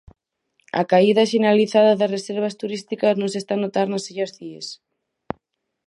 A caída xeneralizada das reservas turísticas non se está a notar nas illas Cíes.